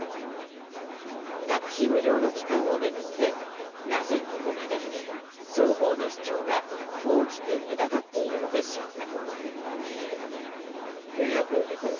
学費無料の期間を巡ってなぜここまで双方の主張が大きく隔たっているのでしょうか。